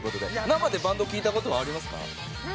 生でバンドを聴いたことありますか？